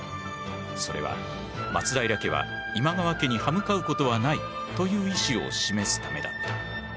それは松平家は今川家に歯向かうことはないという意志を示すためだった。